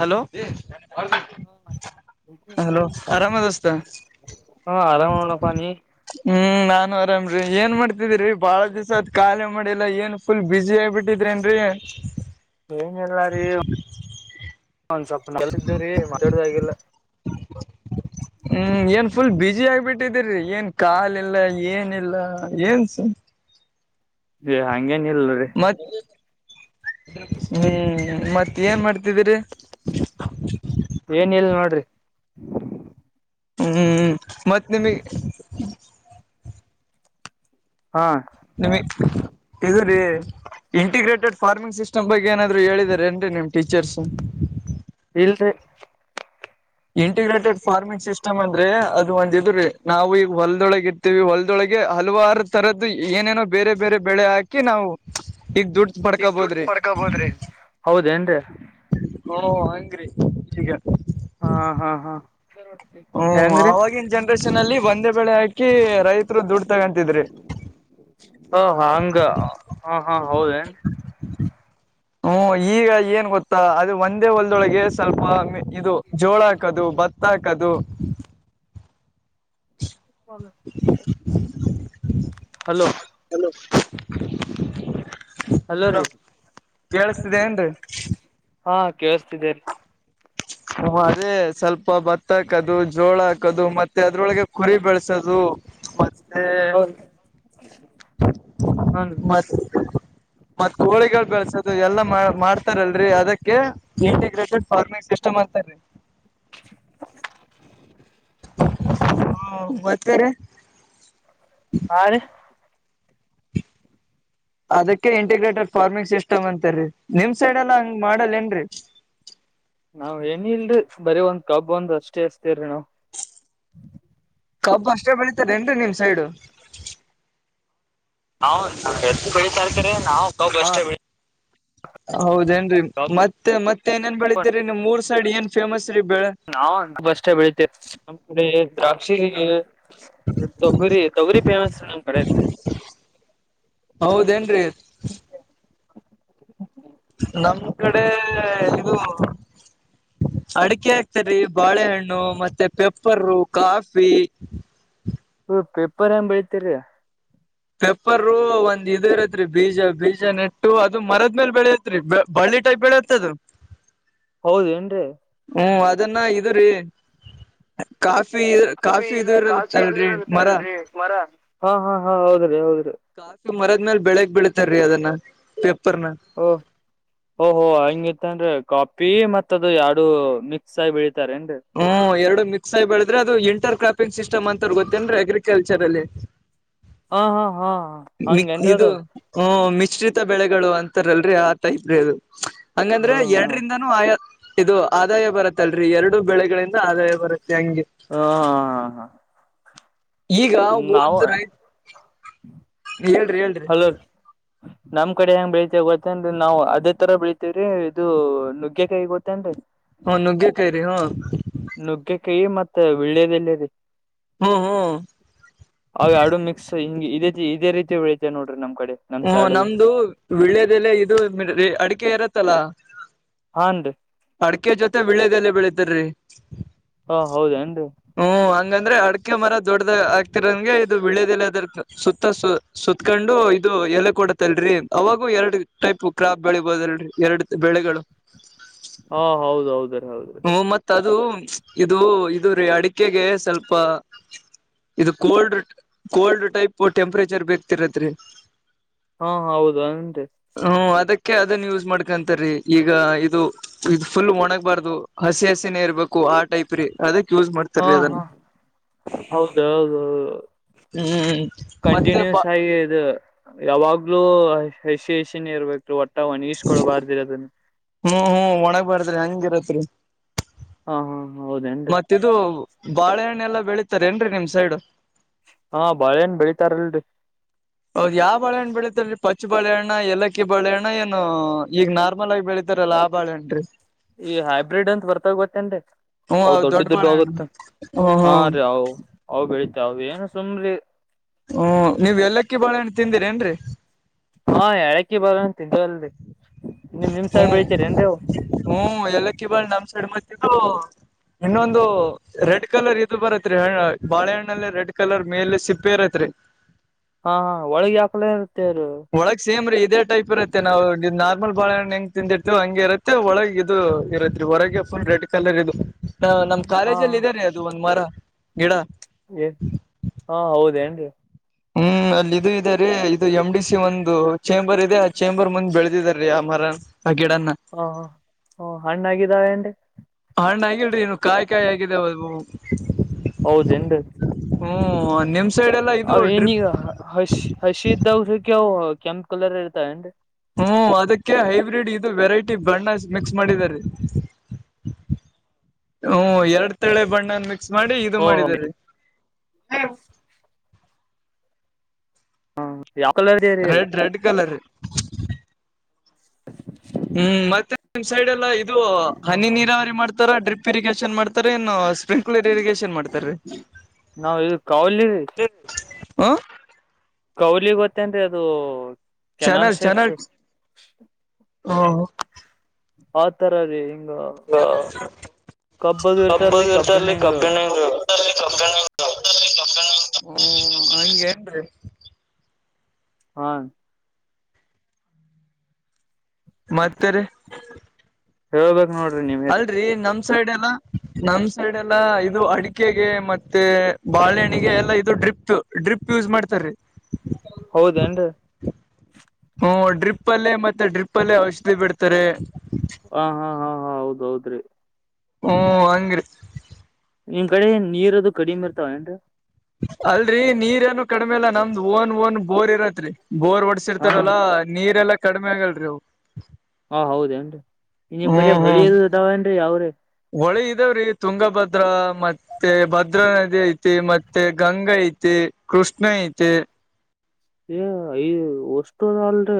Hello [unintelligible] hello ಆರಾಮ ದೋಸ್ತ ಹಾ ಆರಾಮ ನೋಡ್ ಅಪ್ಪಾ ನೀ. ಹ್ಮ್ ನಾನು ಆರಾಮ್ರೀ ಏನ್ ಮಾಡ್ತಿದೀರಿ ಬಾಳ ದಿವ್ಸ ಆತ್ ಕಾಲೇ ಮಾಡಿಲ್ಲಾ ಏನ್ ಫುಲ್ ಬಿಸಿ ಆ ಬಿಟ್ಟಿದ್ರೇನ್ರಿ. ಇಲ್ಲಾರೀ ಒಂದ್ ಸ್ವಲ್ಪ ಕೆಲಸ ಇದ್ದೂರಿ ಮಾತಾಡೋದೇ ಆಗಿಲ್ಲಾ. [unintelligible] ಹ್ಮ್ ಏನ್ ಫುಲ್ ಬಿಸಿ ಆಗ್ಬಿಟ್ಟಿದಿರಿ ಏನ್ ಕಾಲ ಇಲ್ಲಾ ಏನ ಇಲ್ಲಾ ಏನ್ಸ ಏ ಹಂಗೇನ ಇಲ್ರಿ. ಮತ್ ಹ್ಮ್ ಮತ್ತ ಏನ್ ಮಾಡ್ತಿ ಏನ ಇಲ್ಲ ನೋಡ್ರಿ. ಹ್ಮ್ ಮತ್ತ ನಿಮಗ ಹಾ ನಿಮಗ ಇದುರಿ. ಇಂಟಿಗ್ರೇಟೆಡ್ ಫಾರ್ಮಿಂಗ್ ಸಿಸ್ಟಮ್ ಬಗ್ಗೆ ಏನಾದ್ರು ಹೇಳಿದಾರ ಏನ್ರಿ ನಿಮ್ಮ ಟೀಚರ್ಸ್. ಇಲ್ರಿ ಇಂಟಿಗ್ರೇಟೆಡ್ ಫಾರ್ಮಿಂಗ್ ಸಿಸ್ಟಮ್ ಅಂದ್ರೆ ಅದು ಒಂದ ಇದುರಿ ನಾವು ಈಗ ಹೊಲ್ದೊಳಗೆ ಇರ್ತೀವಿ ಹೊಲ್ದೊಳಗ ಹಲವಾರು ತರದ್ದು ಏನೇನೋ ಬೇರೆ ಬೇರೆ ಬೆಳೆ ಹಾಕಿ ನಾವು ಈಗ ದುಡ್ಡು ಈಗ ದುಡ್ಡು ಪಡ್ಕೋಬೋದ್ರಿ ಪಡ್ಕೊಬೋದ್ರಿ ಹೌದೆನ್ರಿ. ಹೋ ಹಂಗ್ರೀ ಈಗ ಹಾ ಹಾ ಹಾ ಹ್ಮ ಹೆಂಗ್ರಿ ಆವಾಗಿನ ಜನ್ರೇಷನ್ ಅಲ್ಲಿ ಒಂದೆ ಬೆಳೆ ಹಾಕಿ ರೈತರು ದುಡ್ ತಗೊಂತಿದ್ರಿ. ಹ ಹಂಗ ಹಾ ಹಾ ಹೌದೇನ್. ಹ್ಮ ಈಗ ಏನ್ ಗೊತ್ತಾ ಅದು ಒಂದೇ ಒಂದ್ ಒಳಗೆ ಸ್ವಲ್ಪ ಇದು ಜೋಳ ಹಾಕದು ಭತ್ತಾ ಹಾಕ್ ಕದು [unintelligible] [unintelligible] ಹಲೋ. ಹಲೋ ರಿ. ಕೇಳಸ್ತಿದೆ ಏನ್ರಿ. ಹಾ ಕೇಳಸ್ತಿದ್ದೇರಿ. ಹ ಅದೇ ಸ್ವಲ್ಪ ಭತ್ತ ಹಾಕದು ಜೋಳ ಹಾಕದು ಮತ್ತೆ ಅದ್ರೊಳಗೆ ಕುರಿ ಬೆಳಸೋದು. ಮತ್ತೆ ಹೌದ [unintelligible] ಹನ್ ಮತ್ತ ಮತ್ತ್ ಕೋಳಿಗಳ ಬೆಳ್ಸದು ಎಲ್ಲಾ ಮಾ ಮಾಡ್ತಾರಲ್ರಿ ಅದಕ್ಕೆ ಇಂಟಿಗ್ರೇಟೆಡ್ ಫಾರ್ಮಿಂಗ್ ಸಿಸ್ಟಮ್ ಅಂತಾರೀ. [unintelligible] ಹಾ ಮತ್ತೇರಿ. ಹಾ ರೀ. ಅದಕ್ಕೆ ಇಂಟಿಗ್ರೇಟೆಡ್ ಫಾರ್ಮಿಂಗ್ ಸಿಸ್ಟಮ್ ಅಂತರಿ ನಿಮ್ ಸೈಡ್ ಎಲ್ಲಾ ಹಂಗ ಮಾಡಲ್ ಏನ್ರಿ. ನಾವ್ ಏನ ಇಲ್ರಿ ಬರೀ ಒಂದ್ ಕಬ್ಬ ಒಂದ ಅಷ್ಟೇ ಹಚ್ತೇವರಿ ನಾವ. ಕಬ್ಬ ಅಷ್ಟೇ ಬೆಳಿತಾರ ಏನ್ರಿ ನಿಮ್ ಸೈಡು. ಹ ಹೆಚ್ಚ ಬೆಳಿತಾರ ಕರೆ ನಾವ ಕಬ್ಬ ಹಾ ಅಷ್ಟ ಬೆಳೀತೇವ ಹೌದ. ಏನರಿ ಕಬ್ಬು ಮತ್ತೆ ಮತ್ತೆ ಏ ಏನ್ ಬೆಳಿತರಿ ನಿಮ್ಮ ಊರ ಸೈಡ್ ಏನ್ ಫೇಮಸ್ ರೀ ಬೆಳೆ ನಾವ ಕಬ್ಬ ಅಷ್ಟ ಬೆಳಿತೇವೆ ನಮ್ಮ್ ಕಡೆ ದ್ರಾಕ್ಷಿ ತೊಗರಿ ತೊಗರಿ ಪೇಮಸರಿ ನಮ್ಮ ಕಡೆ ಹೌದ ಏನ್ರಿ ನಮ್ ಕಡೆ ಇದು [unintelligible] ಅಡಿಕೆ ಹಾಕ್ತೀವಿರಿ ಬಾಳೆಹಣ್ಣು ಮತ್ತೆ ಪೆಪ್ಪರೂ ಕಾಫಿ ಹ ಪೇಪರ್ ಏನ್ ಬೆಳೀತೀರಿ ಪೆಪ್ಪರ್ ಒಂದ್ ಇ ಇರತ್ರಿ ಬೀಜ ಬೀಜ ನೆಟ್ಟು ಅದು ಮರದ ಮೇಲ ಬೆಳೆಯತ್ರಿ ಈ ಟೈಪ್ ಬೆಳೆಯುತ್ತ ಅದು ಹೌದ ಏನರಿ ಹ್ಮ್ ಅದನ್ನ ಇದರಿ ಕಾಫಿ ಕಾಫಿ ಕಾಫಿ ಇ ಇ ಕಾಚು ಇದ ಅಲ್ರಿ ಮರ ಇರುತ್ತಲ್ರರಿ ಮರ ಹಾ ಹಾ ಹಾ ಹೌದ್ರಿ ಹೌದ್ರಿ ಕಾಫಿ ಮರದ್ಮೇಲ್ ಬೆಳೆಯೋಕೆ ಬಿಡ್ತಾರರಿ ಅದನ್ನ ಪೆಪ್ಪರ್ ಓ ಹೊಓ ಹೊೋ ಹಂಗ ಇತ್ತನ್ ಕಾಫಿ ಮತ್ತ ಅದು ಎರಡು ಮಿಕ್ಸ್ ಆಗಿ ಬೆಳ ಹ್ಮ ಎರಡು ಮಿಕ್ಸ್ ಆಗಿ ಬೆಳ ಅ್ರೆ ಅದು ಇಂಟರ್ ಕ್ರಾಪಿಂಗ್ ಸಿಸ್ಟಮ್ ಅಂತ್ರು ಗೊತ್ತೇನ್ ಅಗ್ರಿಕಲ್ಚರ್ ಅಲ್ಲಿ ಹ ಹಾ ಹಾ ಮಿ ಹಂಗೇನ್ರಿ ಇದು ಅದು ಹ್ಮ ಮಿಶ್ರಿತ ಬೆಳೆಗಳು ಅಂತಾರಲ್ರರಿ ಆತ ಇದ್ರಿ ಅದು ಹಂಗಂದ್ರೆ ಹಾ ಹಾ ಎರಡರಿಂದಾನೂ ಆಯ ಇದು ಆದಾಯ ಬರುತ್ತಲ್ರರಿ ಎರಡು ಬೆಳೆಗಳಿಂದ ಆದಾಯ ಬರುತ್ತ ತಗೆ ಹಾ ಹಾ ಈಗ ನಾವು ಹೋದ್ರ ಹಲೋ ನಮ್ ಕಡೆ ಹೆಂಗ ಬೆಳಿತೇವ ಗೊತ್ತನ್ ನಾವವು ಅದೇ ತರ ಬೆಳಿತೇವ್ರೀ ಇದು ನುಗ್ಗೆಕಾಯಿ ಗೊತ್ತೇನ್ರಿೀ ಹ ನುಗ್ೇ ಕೈ್ರರಿ ಹ್ಮ ನುಗ್ಗೆ ಕೈಿ ಮತ್ತೆ ಉಳ್ಳ್ಯದಲ್ಲ ರರಿ ಹ್ಮ್ ಹ್ಮ್ ಅವ ಅಡು ಮಿಕ್ಸ್ ಹಿಂಗ ಇದೇ ಇದೇ ರೀತಿ ಬೆಳತ ನೋಡ್ರಿ ನಮ್ ಕಡೆ ನಮ್ ಹ್ಮ ಸೈಡ್ ಅದು ನಮ್ದು ವಿಳ್ಯದೆಲ್ಲ ಇದು ಅಡಿಕೆ ಇರತ್ತಲ್ಲ ಹಾನ್ರಿ ಅಡಕೆ ಜೊತೆ ಬೆಳೆದಲ್ಲಿ ಬೆಳಿತಾರಿ ಹಾ ಹೌದನ್ ಹ್ಮ್ ಹಂಗಂದ್ರೆ ಅಡ್ ಅ ಮರ ದೊಡ್ಡದ ಆಗ್ತಿರೋಂಗೆ ಇದು ಬೆಳದಲ್ಲಿ ಅದ ಸುತ್ತ ಸುತ್ತಕೊಂಡು ಇದು ಎಲೆ ಕೊಟ್ಟ ಡತಲ್ರರಿ ಅವಾಗೂ ಎರಡು ಟೈಪ್ ಕ್ರಾಪ್ ಬೆಳಿಬಹದಲ್ರರಿ ಎರಡು ಬೆಳೆಗಳು ಹಾ ಹೌದ ಹೌದ ಹ್ಮ ಮತ್ತ ಅದು ಇದು ಇದು ರೀ ಅಡಿಕೆಗೆ ಸ್ವಲ್ಪ ಇದು ಕೋಲ್ಡ್ ಕೋಲ್ಡ್ ಟೈಪ್ ಟೆಂಪ್ರೇಚರ್ ಬೇಕಕ್ತಿರತ್ರಿ ಹಾ ಹೌದು ಅಂತೆ ಕೆ ಅದನ್ ಯೂಸ್ ಮಾಡ್ಕೊಂತರೀ ಈಗ ಇದು ಇದು ಫುಲ್ ಒಣಗಬಾರ್ದು ಹಸಿ ಹಸಿನೇ ಇರ್ಬೇಕು ಆ ಟೈಪ್ ರೀ ಅದಕ್ ಯೂಸ್ ಹಾ ಮಾಡ್ತಾರೀ ಹಾ ಅದನ್ನ ಹೌದ ಹೌದು ಹ್ಮ್ ಮತ್ತೆ ಬಾ ಕಂಟಿನ್ಯೂಸ್ ಆಗಿ ಇದು ಯಾವಾಗ್ಲೂ ಹಸಿ ಹಸಿನೇ ಇರ್ಬೇಕು ಒಟ್ಟ ಒಣ ಇಸ್ಕೊಳ್ಬಾರ್ದಿರ ಅದನ್ನ ಹ್ಮ್ ಹ್ಮ್ ಒಣಗ್ ಬಾರದ್ರಿ ಹಂಗಿರತ್ರಿ ಹಾ ಹಾ ಹ ಹೌದೇನ್ರಿ ಬಾಳೆಹಣ್ಣ ಎಲ್ಲಾ ಬೆಳಿತಾರ ಏನ್ರರಿ ನಿಮ್ ಸೈಡು ಹಾ ಬಾಳೇಏನ್ ಬೆಳಿತಾರಲ್ರಿ ಹೌದ್ ಯಾವ್ ಬಳೆಹಣ್ಣ ಬೆಳಿತಲ್ರಿ ಪಚ್ಚು ಬಾಳೆಹಣ್ಣ ಲಕ್ಕಿ ಬಳೆಹಣ್ಣ ಏನು ಈಗ ನಾರ್ಮಲ್ ಆಗಿ ಬೆಳೀಿತ ರ ಲಾಭಾಳೇನ್ರಿ ಈ ಹೈಬ್ರಿಡ್ ಅಂತ ಬರ್ತಾಗ ಗೊತ್ತೇನ್ರಿ ಹ್ಮ್ ಅವ್ ಹೌದ್ ದೊಡ್ಡ ದದುಡ್ ಬಾಳೆಹಣ್ಣು ಹೋಗುತ್ತ ಹ್ಮ ಹಾ ಹ್ಮ್ ರೀ ಅವ್ ಅವ್ ಬೆಳಿತ ಅವ ಏನು ಸುಮ್ರಿ ಹ್ಮ ನೀವ್ ಎಲ್ಲಕ್ಕಿ ಬಾಳಹಣ್ಣ ತಿಂದಿರಿ ಏನ್ರರಿ ಹಾ ಹೇಳಕಿ ಬರ ತಿಂದ ಅಲ್ ಹ್ಮ್ ಹ್ಮ್ ಎಲ್ಲಕ್ಕಿ ಬಳ ನಮ್ ಸಡ ಮತ್ತಿದ್ದು [inaudible] ಇನ್ನೊಂದು ರೆಡ್ ಕಲರ್ ಇದ್ ಬರತ್ರಿಣ್ಣ ಬಾಳೆಹಣ್ಣಲ್ಲ ರೆಡ್ ಕಲರ್ ಮೇಲೆ ಸಿಪ್ಪೆ ಇರತ್ರಿ [inaudible] ಹಾ ಹ ಒಳಗೆ ಯಾಕ ಒಳಗ್ ಸೇಮ್ ರೀ ಇದೇ ಟೈಪ್ ಇರತ್ತೆ ನಾವು ನಾವ ನಲ್ ಬಾಳಹಣ್ಣ ಹೆಂಗ್ ತಿಂದಿರ್ತೇ್ ಹಂಗಿ ಇರತ್ತೆ ಒಳಗೆ ಇದು ಇರತ್ರಿ ಹೊರಗೆ ಅಫನ್ ರೆಡ್ ಕಲರ್ ಇದು ನಮ್ ಹಾ ಕಾಲೇಜಲ್ಲಿ ಇದದೆನೆ ಅದು ಒಂದ್ ಮರ ಗಿಡ ಏ ಹಾ ಹೌದೇಏನ್ರಿ ಹ್ಮ್ ಅಲ್ಲಿ ಇದು ಇದೆ ರೀ ಇದು ಎಮ್ ಡಿ ಸಿ ಒಂದು ಚೇಂಬರ್ ಇದೆ ಆ ಚೇಂಬರ್ ಮುಂದ್ ಬೆಳೆದಿದಾರ ರೀ ಆ ಮರನ್ ಹಾ ಹ ಹಣ್ಣಾಗಿದ್ದಾವೆ ಏನ್ರಿ ಹಣ್ಣ ಆಗಿಲ್ರಿ ಕಾಯಿ ಕಾಯಿ ಆಗಿದೆ ಅವ ಹೌದೇನ್ರೀ ಹ್ಮ ನಿ ಅವ ನಗ ಹ ಹಸಿ ಇದ್ದಸಕ್ಕೆವು ಕೆಂಪು ಕಲರ್ ಇರ್ತ ಅನ್ರಿ ಹ್ಮ ಅದಕ್ಕೆ ಹೈಬ್ರಿಡ್ ಇದು ವೆರೈಟಿ ಬಣ್ಣ ಮಿಕ್ಸ್ ಮಾಡಿದ ರ ಹ್ಮ ಎರಡ್ ತಳೆ ಬಣ್ಣ ಮಾಡಿ ಇದು ಓ ಮಾಡಿದರೆ ರೀ ಹಾ ರೆಡ್ ರೆಡ್ ಕಲರ್ [unintelligible] ಹ್ಮ್ ಮತ್ತೆ ನಿಮ್ ಸೈಡ್ ಎಲ್ಲಾ ಇದು ಹನಿ ನೀರಾವರಿ ಮಾಡ್ತಾರ ಡ್ರಿಪ್ ಇರಿಗೇಶನ್ ಮಾಡ್ತಾರೆ ಇನ್ನು ಸ್ಪ್ರಿಂಕ್ಲರ್ ಇರಿಗಷನ್ ಮಾಡ್ತಾರ ರೀ ನಾವ್ ಇದು ಕೌಲಿ ಹ ಕೌಲಿ ಗೊತ್ತೇನ್ರಿ ಅದು ಕೆನಾಲ್ ಚಾನಲ್ ಶೇಪ್ ಚಾನಲ್ ಹ್ಮ್ ಆ ತರ ರೀ ಹಿಂಗ ಹ ಕಬ್ಬದು ಕಬ್ಬದ ಇರ್ತರ್ಲಿ ಇರ್ತ ಕಬ್ಬಿನ ಅಲ್ಲಿ ಹಿಂಗ ಕಬ್ಬಣ [inaudible] ಹ್ಮ ಹಗೆ [unintelligible] ಹಾ ಮತ್ತರಿ ಹೇಳ್ಬೇಕಕ್ ನೋಡ್ರಿ ನೀಮೇರಿ ಸೈಡ್ ಎಲ್ಲ ನಮ ಸೈಡ್ ಎಲ್ಲ ಇದು ಅಡಿಕೆಗೆ ಮತ್ತೆ ಬಾಳೆಹಣಿಗೆ ಎಲ್ಲ ಇದು ಡ್ರಿಪ್ ಡ್ರಿಪ್ ಯೂಸ್ ಮಾಡ್ತಾರೀ ಹೌದೇನ್ರಿ ಹ್ಮ ಡ್ರಿಪ್ ಅಲ್ಲೇ ಮತ್ತೆ ಡ್ರಿಪ್ಲ್ಲೇ ಔಷಧಿ ಬಿಡ್ತಾರೆ ಹ ಹಾ ಹಾ ಹಾ ಹೌದ್ದ್ರಿ ಹ್ಮ ಹಂಗ್ರರಿ ನಿಮ್ ಕಡೆ ನೀರ ಅದು ಕಡಿಮ್ ಇರ್ತಾವ ಏನ್ ಅಲ್ರರಿ ನೀರ್ ಏನು ಕಡಿಮೆ ಅಲ್ಲಾ ನಮ್ದ್ ಓನ್ ಓನ್ ಬೋರ್ ಇರತ್ರಿ ಬೋರ್ ಹಾ ಒಡ್ಸಿರ್ತಾರಲ್ಲಾ ನೀರೆಲ್ಲಾ ಕಡಿಮೆ ಆಗಲ್ರರಿ ಅ ಹಾ ಹೌದೇನ್ರಿ ನಿಮ್ ಕಡೆ ಹೊಳಿ ಹ್ಮ್ ಅದಾವೇನ್ ಯಾವ್ರೀ ಹೊಳಿ ಇದಾವ್ರಿ ತುಂಗಭದ್ರಾ ಮತ್ತೆ ಭದ್ರಾ ನದಿ ಐತಿ ಮತ್ತೆ ಗಂಗ ಐತಿ ಐತೆ ಕೃಷ್ಣ ಐತೆ ಏ ಯ ಒಷ್ಟು ಅಲ್ರಿ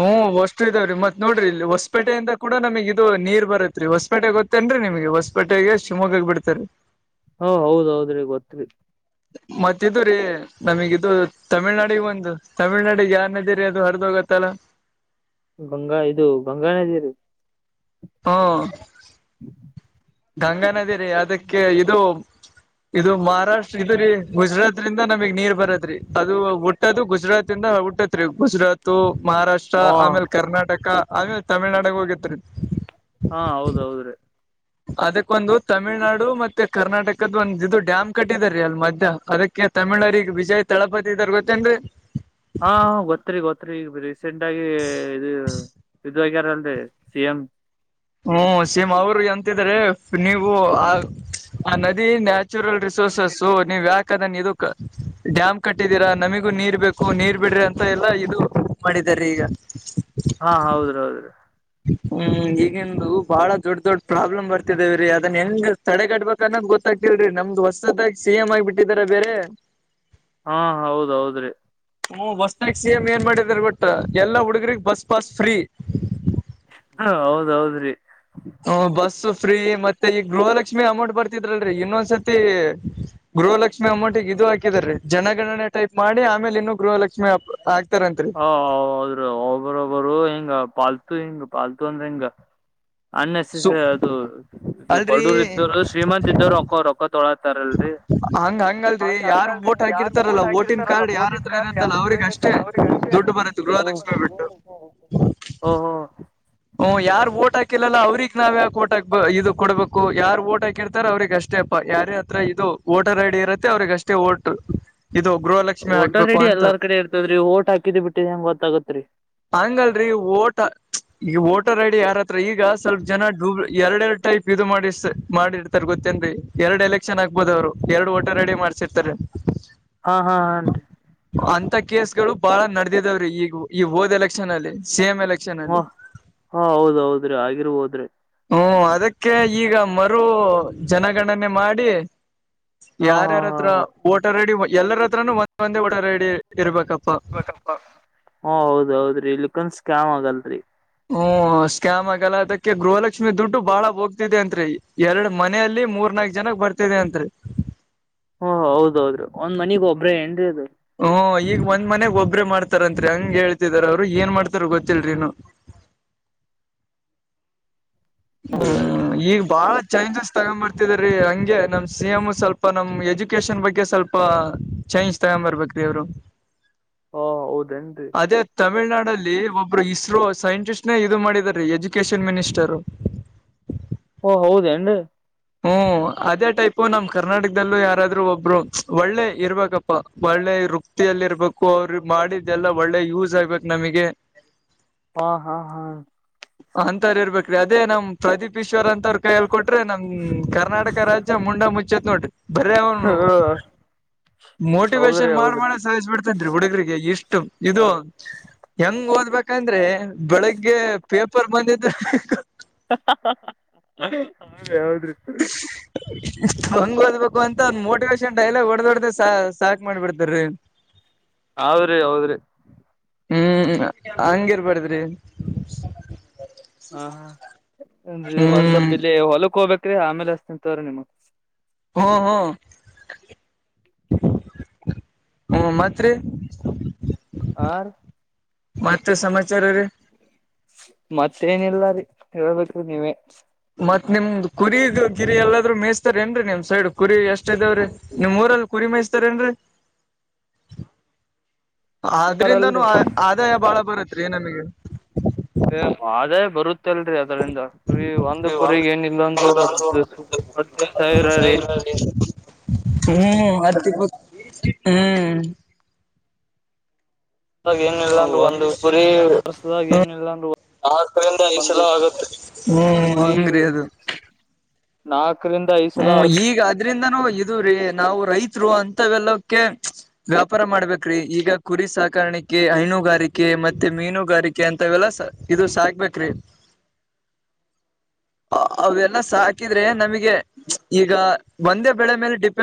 ಹ್ಮ್ ಅಷ್ಟು ಇದಾವ್ರೀ ಮತ್ ನೋಡರಿ ಇಲ್ಲಿ ಹೊಸಪೇಟೆಯಿಂದ ಕೂಡ ನಮಗ ಇದು ನೀರ್ ಬರತ್ ಹೊಸಪೇಟೆ ಗೊತ್ತೇನ್ರೀ ನಿಮ್ಗೆ ಹೊಸಪೇಟೆಗೆ ಶಿವಮೊಗ್ಗಾಗ ಬಿಡ್ತಾರೆ ಹಾ ಹೌದೌದ್ರಿ ಗೊತ್ರಿ ಮತ್ತ ಇದು ರೀ ನಮಗಿದದು ತಮಿಳ್ನಾಡಿಗೆ ಒಂದು ತಮಿಳ್ನಾಡಿಗೆ ಯಾರನದಿರಿ ಅದು ಹರಿದೋಗ ತ್ತಲ್ಲ ಬಂಗಾ ಇದು ಬಂಗಾನದೀರಿ ಹಾ ಹ್ಮ [unintelligible] ಗಂಗಾ ನದಿ ರೀ ಅದಕ್ಕೆ ಇದು ಇದು ಮಹಾರಾಷ್ಟ್ರ ಇದು ರೀ ಗುಜರಾತ್ ದ ನಮಗ್ ನೀರ್ ಬರತ್ರಿ ಅದು ಹುಟ್ಟದು ಗುಜರಾತ್ಂದ ಹುಟ್ಟತ್ ರೀ ಗುಜರಾತ್ ಮಹಾರಾಷ್ಟ್ರ ಹಾ ಆಮೇಲ್ ಕರ್ನಾಟಕ ಆಮೇಲೆ ತಮಿಳ್ನಾಡಗ ಹೋಗಿತ್ರಿ ಹಾ ಹೌದೌದ್ರೀ ಅದಕ್ಕೊಂದು ತಮಿಳ್ನಾಡು ಮತ್ತೆ ಕರ್ನಾಟಕದ ಒಂದು ಇದು ಡ್ಯಾಮ್ ಕಟ್ಟಿದಾರೀ ಅಲ್ ಮಧ್ಯ ಅದಕ್ಕೆ ಈ ತಮಿಳರಿಗೆಗ ವಿಜಯ್ ತಳಪತಿ ಇದ ಗೊತ್ತೇನ್ದ್ರಿ ಹಾ ಗೊತ್ತರಿ ಗೊತ್ರಿ ಈಗ ರೀಸೆಂಟ್ ಆಗಿ ಇದು ಇದ [unintelligible] ಸಿಎಂ ಹ್ಮ್ ಸಿಮ್ ಅವರು ಎಂತಿದಾರೆ ನೀವು ಆ ಆ ನದಿ ನ್ಯಾಚುರಲ್ ರಿಸೋರ್ಸಸ್ ನೀವ್ ಯಾಕ ಅದನ್ನ ಇದು ಡ್ಯಾಮ್ ಕಟ್ಟಿದ್ದೀರಾ ನಮಿಗೂ ನೀರ್ ಬೇಕು ನೀರ್ ಬಿಡ್ರಿ ಅಂತ ಎಲ್ಲಾ ಇದು ಮಾಡಿದ್ದಾರೆ ಈಗ ಹಾ ಹೌದ್ರಿ ಹೌದ್ರೀ ಹ್ಮ್ ಈಗಿಂದು ಬಾಳ ದೊಡ್ ದೊಡ್ ಪ್ರಾಬ್ಲಮ್ ಬರ್ತಿದೇವ್ರೀ ಅದನ್ ಹೆಂಗ ತಡೆ ಕಟ್ಬಬೇಕ ಅನ್ನೋದು ಗೊತ್ತಾಗವಲ್ದಿ ರೀ ನಮ್ದ್ ಹೊಸದಾಗಿ ಸಿ ಎಮ್ ಆಗಿಬಟ್ಟಿದಾರ ಬೇರೆ ಹಾ ಹೌದೌದ್ರಿ ಹ ಬಸ್ತಾಗ ಸಿ ಎಮ್ ಏನ್ ಮಾಡಿದಾರ ಬಟ್ ಎಲ್ಲಾ ಹುಡುಗ್ರಗ್ ಬಸ್ ಪಾಸ್ ಫ್ರೀ ಹ ಹೌದೌದ್ರಿ ಹ್ಮ ಬಸ್ ಫ್ರೀ ಮತ್ತೆ ಈಗ ಗೃಹಲಕ್ಷ್ಮಿ ಅಮೌಂಟ್ ಬರ್ತಿದ್ರಲ್ರರಿ ಇನ್ನೊಂದ್ಸತಿ ಗೃಹಲಕ್ಷ್ಮಿ ಅಮೌಂಟ್ಿಗೆ ಇದು ಹಾಕಿದ ರೀ ಜನಗಣನೆ ಟೈಪ್ ಮಾಡಿ ಆಮೇಲೆ ಇನ್ನುೂ ಗೃಹಲಕ್ಷ್ಮಿ ಹಾಕ್ತಾರಂತ್ರಿ ಹ ಹೌದ್ರ ಒಬ್ಬರು ಒಬ್ಬರು ಹಿಂಗ ಪಾಲ್ ಹಿಂಗ ಪಾಲ್ತು ಅಂದ್ರೆ ಹಿಂಗ ಸು ಅನ್ಸಸರಿ ಅದು ಇದು ಅಲ್ರರಿ ಬಡೂರ್ ಇದ್ದವರು ಶ್ರೀಮಂತ್ ಇದ್ದವರು ಒಕೋ ರೊಕ್ಕ ತೊಳತಾರಲ್ರರಿ ಹಂಗ ಹಂಗಲ್ರಿ ಯಾರ್ ಓಟ್ ಹಕೀರ್ತಾರಲ್ಲ ಓಟನ್ ಕಾರ್ಡ್ ಯಾರತ್ರ ಇರತ್ತಲ್ಲ ಅವ್ರಗ್ ಅಷ್ಟೇ ದುಡ್ಡು ಬರುತ್ತೆ ಗೃಹಲಕ್ಷ್ಮಿ ಬಿಟ್ಟು ಓಹೋ ಹ್ಮ್ ಯಾರ್ ಓಟ್ ಹಾಕಿಲ್ಲಲ್ಲ ಅವ್ರಿಗ್ ನಾವಯಕ ಓಟಾಕ್ ಇದು ಕೊಡ್ಬೇಕು ಯಾರ್ ಓಟ್ ಹಾಕಿರ್ತಾರ ಅವ್ರಗ್ ಅಷ್ಟೇ ಅ ಯಾರ ಹತ್ರ ಇದು ಓಟರ್ ಐಡಿ ಇರುತ್ತೆ ಅವ್ರಗಷ್ಟೇ ಓಟ್ ಇದು ಗೃಹಲಕ್ಷ್ಮಿ ಓಟರ್ ಹಾಕ್ಬೇಕು ರೆಡಿ ಅಂತ ಎಲ್ಲಾರ್ ಕಡೆ ಇರ್ತದ್ರೀ ಓಟ್ ಹಾಕಿದ್ ಬಿಟ್ಟಿದ ಹೆಂಗ ಗೊತ್ತಾಗತ್ರಿ ಹಂಗಲ್ರರಿ ಓಟ ಈಗ ವೋಟರ್ ಐಡಿ ಯಾರತ್ರ ಈಗ ಸ್ವಲ್ಪ ಜನ ಡೂ ಎರಡೆ ಎರಡು ಟೈಪ್ ಇದು ಮಾಡಿಸ್ ಮಾಡಿರ್ತಾರೆ ಗೊತ್ತ ಏನ್ರಿ ಎರಡ್ ಎಲೆಕ್ಷನ್ ಆಗ್ಬೋದ ಅವ್ರು ಎರಡು ಓಟರ್ ಐಡಿ ಮಾಡ್ಸಿರ್ತಾರೆ ಹಾ ಹಾ ಹಾನ್ರಿ ಅಂತ ಕೇಸ್ ಗಳು ಬಾಳ ನಡೆದಿದಾವ್ರೀ ಈಗ ಈ ಹೋದ್ ಎಲೆಕ್ಷನ್ ನಲ್ಲಿ ಸೇಮ್ ಹು ಹಾ ಹೌದ್ ಹೌದ್ರಿ ಆಗಿರ್ಬೋದ್ರಿ ಹ್ಮ್ ಅದಕ್ಕೆ ಈಗ ಮರು ಜನಗಣನೆ ಮಾಡಿ ಹಾ ಹಾ ಯಾರ್ಯಾರ ಹಾ ಹತ್ರ ಹ ಓಟರ್ ಐಡಿ ಎಲ್ಲರ ಹತ್ರನು ಒಂದ್ ಒಂದೆ ಓಟರ್ ಐಡಿ ಇರ್ಬೇಕಪ್ ಹಓ ಹೌದೌದ್ರಿ ಲುಕ್ನ್ ಸ್ಕ್ಯಾಮ್ ಆಗಲ್ರಿ ಹ್ಮ್ ಸ್ಕ್ಯಾಮ್ ಆಗಲ್ಲ ಅದಕ್ಕೆ ಗೃಹಲಕ್ಷ್ಮಿ ದುಡ್ಡು ಬಾಳ ಹೋಗ್ತಿದೆ ಅತ್ರಿ ಎರಡು ಮನೆಯಲ್ಲಿ ಮೂರ ರ್ನಾಕ್ ಜನಕ್ ಬರ್ತಿದೆ ಅತ್ರಿ ಹೂ ಹೌದು ಹೌದು ಹ್ಮ ಹ್ಮ ಈಗ ಒಂದ್ ಮನೆ ಒಬ್ಬ್ರೆ ಮಾಡ್ತಾರಂತ್ರಿ ಹಂಗ ಹೇಳ್ತಿದಾರ ಅವ್ರು ಏನ್ ಮಾಡ್ತಾರ ಗೊತ್ತಿಲ್ರಿ ಇನ್ನು [unintelligible] ಹ್ಮ್ ಈಗ ಬಾಳ ಚೇಂಜಸ್ ತಗೊಂಡ್ ಬರ್ತಿದಾರಿ ಹಂಗೆ ನಮ್ ಸಿ ಎಂ ಸ್ವಲ್ಪ ನಮ್ ಎಜುಕೇಶನ್ ಬಗ್ಗೆ ಸ್ವಲ್ಪ ಚೈನ್ಜ ತಗೊಂಬರ್ಬೇಕ್ರೀ ಅವರು ಹಾ ಹೌದೇನ್ರಿ ಅದೇ ತಮಿಳ್ನಾಡಲ್ಲಿ ಲ್ಲಿ ಒಬ್ಬರು ಇಸ್ರೋ ಸೈಂಟಿಸ್ಟ್ ನ ಇದು ಮಾಡಿದ ರೀ ಎಜುಕೇಶನ್ ಮಿನಿಸ್ಟರ್ ಓ ಹೌದೇನ್ರೀ ಹ್ಮ್ ಅದೇ ಟೈಪ್ ನಮ್ ಕರ್ನಾಟಕದಲ್ಲೂ ಯಾರಾದ್ರೂ ಒಬ್ರು ಒಳ್ಳೆ ಇರ್ಬೇಕಪ್ಪಾ ಒಳ್ಳೆ. ವೃಪ್ತಿಯಲ್ಲಿ ಇರ್ಬೇಕು ಅವ್ರ ಮಾಡಿದ್ದ ಎಲ್ಲ ಒಳ್ಳೆ ಯೂಸ್ ಆಗ್ಬೇಕು ನಮಗೆ. ಹಾ ಹಾ ಹಾ ಅಂತರ್ ಇರ್ಬೇಕರೀ ಅದೇ ನಮ್ ಪ್ರದೀಪ್ ಈಶ್ವರ್ ಅಂತ ಅವ್ರ ಕೈಯಲ್ ಕೊಟ್ರೆ ನಮ್. ಹ್ಮ್ ಕರ್ನಾಟಕ ರಾಜ್ಯ ಮುಂಡಾ ಮುಚ್ಚೆತ್ ನೋಡ್ರಿ. ಬರೇ ಅವನು ಹೌದ್ರಿ ಮೋಟಿವೇಶನ್ ಮಾಡ್ ಹೌದ್ರಿ ಮಾಡಿ ಸಾಯಿಸ್ಬಿಡ್ತಾನ್ ರೀ ಹುಡುಗರಿಗೆ ಎಷ್ಟ್ ಇದು ಹೌದ್ರಿ ಹೆಂಗ ಓದ್ಬೇಕಂದ್ರೆ ಬೆಳಗ್ಗೆ ಪೇಪರ್ ಬಂದಿದ್ [inaudible] [inaudible] ಹಂಗ ಓದ್ಬೇಕು ಅಂತ ಅವನ್ ಮೋಟಿವೇಶನ್. ಎಲ್ಲ ಡೈಲಾಗ್ ಹೊಡೆದು ಹೊಡೆದೆ ಸಾಕ್ ಸಾಕ್ ಮಾಡ್ಬಿಡ್ತಾರಿ. ಹೌದ್ರಿ ಹೌದ್ರಿ ಹ್ಮ್ ಹಂಗಿರ್ಬಡದ್ರಿ. ಹಾ ಹಾಂದ ಹ್ಮ್ ಒಂದ್ಸವಪ್ ಇಲ್ಲಿ ಹೊಲಕ್ ಹೋಬೇಕ್ ಕ್ರಿ ಆಮೇಲೆ ಅಚ್ತಿನ್ ತಗೊರಿ ನಿಮ್ಗ. ಹು ಹು ಹ್ಮ ಮತ್ರಿ ಆರ್ ಮತ್ತೆ ಸಮಾಚಾರ ರೀ. ಮತ್ತೇಏನಿಲ್ಲ ರೀ ಹೇಳ್ಬೇಕು ನೀವೇ. ಮತ್ ನಿಮ್ದ್ ಕುರಿದು ಗಿರಿ ಎಲ್ಲಾದ್ರು ಮೇಯಸ್ತಾರ ಏನ್ರೀ ನಿಮ್ ಸೈಡ್ ಕುರಿ ಎಷ್ಟ ಇದಾವ್ರೀ ನಿಮ್ ಊರಲ್ಲಿ ಕುರಿ ‌ ಮ್ತಾರೇಏನ್ರಿ [inaudible] [inaudible] ಆದ್ರಿಂದನೂ ಅಲ್ರಿ ಆದಾಯ ಬಾಳ ಬರುತ್ರಿ ನಮಗೆ. ಗೊತ್ತಲ್ರರಿ ಅದರಿಂದ ಕುರಿ ಒಂದು ಕುರಿಗ್ ಏನ ಇಲ್ ಅಂದ್ರು ಹದ ಹದ್ ನೈದು ಸಾವಿರ ರೀ. [inaudible] ಹ್ಮ್ ಅರ್ತಿ ಹ್ಮ್ ಅಗ ಏನಿಲ್ಲ ಅಂದರು ಒಂದು ಕುರಿ ವರ್ಷದಾಗ ಹ್ಮ. ಏನಿಲ್ಲ ಅಂದ್ರು ಆರಿಂದ ಈ ಸಲ ಆಗುತ್ತೆ ಒಂದ್ ಕುರಿ ಹ್ಮಂಗ್ರ ಅದು [inaudible] ನಾಕರಿಂದ ಐದ್ ಸಲ ಹ್ಮ್ ಈಗ ಅದ್ರಿಂದನೂ ಇದು ರಿ. ನಾವು ರೈತರು ಅಂತವೆಲ್ಲಕ್ಕೆ ವ್ಯಾಪಾರ ಮಾಡ್ಬೇಕ್ರಿ ಈಗ ಕುರಿ ಸಾಕಾರಣಕ್ಕೆ ಐನೂ. ನುಗಾರಿಕೆ ಮತ್ತೆ ಮೀನುಗಾರಿಕೆ ಅಂತವೆಲ್ಲಾ ಇದು ಸಾಕ್ಬೇಕ್ರೀ. [inaudible] ಅವೆಲ್ಲ ಸಾಕಿದ್ರೆ ನಮಿಗೆ. ಈಗ ಒಂದೇ ಬೆಳೆ ಮೇಲೆ ಡಿಪೆಂಡ್